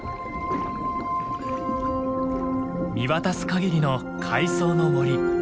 見渡す限りの海藻の森。